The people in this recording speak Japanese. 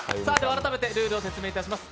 改めてルールを説明します。